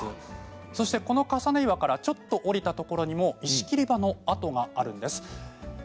そして、この重岩からちょっと降りたところにも石切り場の跡があるんです。